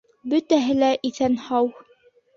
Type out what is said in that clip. Бөтәһе лә иҫән-һау.